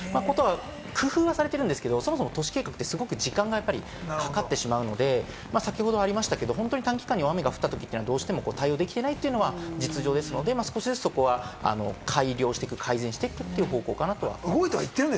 工夫はされてるんですけれども、都市計画って時間がかかってしまうので、先ほどありましたけど、短期間に大雨が降ったときは、どうしても対応できていないのが実情ですので、少しずつ改良していく、改善していくという方向かなと思います。